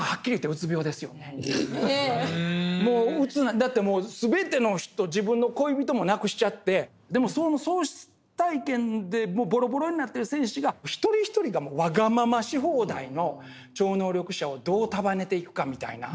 だって全ての人自分の恋人も亡くしちゃってでもその喪失体験でボロボロになってる戦士が一人一人がワガママし放題の超能力者をどう束ねていくかみたいな。